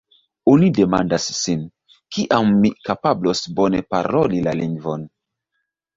Oni demandas sin: “Kiam mi kapablos bone paroli la lingvon?